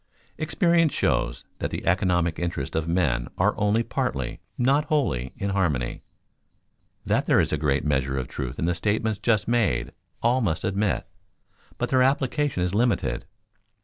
Experience shows that the economic interests of men are only partly, not wholly, in harmony. That there is a great measure of truth in the statements just made, all must admit; but their application is limited.